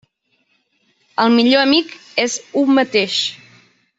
El millor amic és u mateix.